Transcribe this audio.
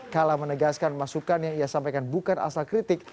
kala menegaskan masukan yang ia sampaikan bukan asal kritik